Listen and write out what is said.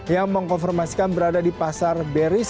yang mengkonformasikan berada di pasar beris